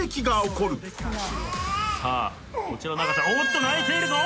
さあこちらの赤ちゃんおっと泣いているぞ。